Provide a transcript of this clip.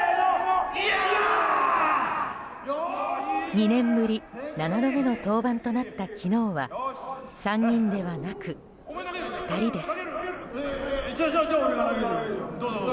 ２年ぶり７度目の登板となった昨日は３人ではなく２人です。